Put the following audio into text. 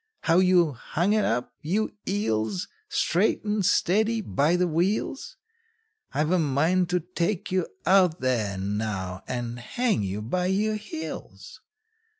How you hung it up, you eels, Straight and steady, by the wheels? I've a mind to take you out there now, and hang you by your heels!